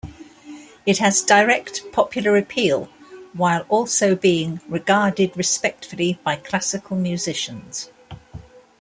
It has direct popular appeal while also being regarded respectfully by classical musicians.